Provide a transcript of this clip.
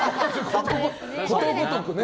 ことごとくね。